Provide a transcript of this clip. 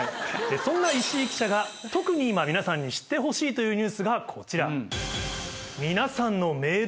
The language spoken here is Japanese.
そんな石井記者が特に今皆さんに知ってほしいというニュースがこちら。